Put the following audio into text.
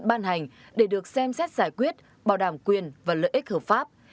ban hành để được xem xét giải quyết bảo đảm quyền và lợi ích hợp pháp